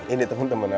ini temen temen aku